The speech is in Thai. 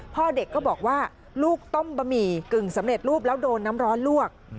พ่อเด็กก็บอกว่าลูกต้มบะหมี่กึ่งสำเร็จรูปแล้วโดนน้ำร้อนลวก